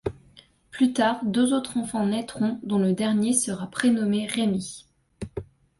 Plus tard, deux autres enfants naîtront, dont le dernier sera prénommé Rémi...